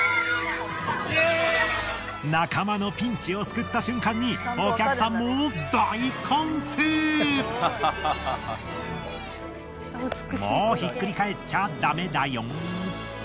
仲間のピンチを救った瞬間にお客さんももうひっくり返っちゃダメだよ。